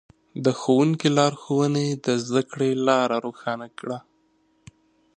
د ښوونکي لارښوونې د زده کړې لاره روښانه کړه.